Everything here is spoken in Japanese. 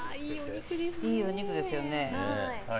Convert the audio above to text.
いいお肉ですよね。